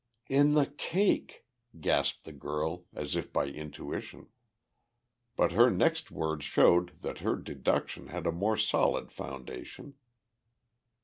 "In the cake!" gasped the girl, as if by intuition. But her next words showed that her deduction had a more solid foundation.